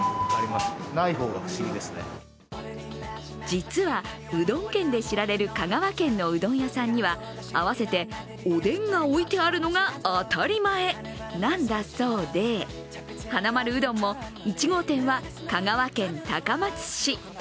実は、うどん県で知られる香川県のうどん屋さんには合わせておでんが置いてあるのが当たり前なんだそうではなまるうどんも１号店は香川県高松市。